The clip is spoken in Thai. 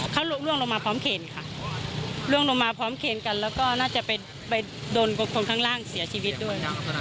เขาล่วงลงมาพร้อมเคนค่ะล่วงลงมาพร้อมเคนกันแล้วก็น่าจะไปโดนคนข้างล่างเสียชีวิตด้วยนะ